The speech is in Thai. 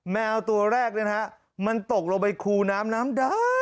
แมวตัวแรกมันตกลงไปคูน้ำน้ำดำ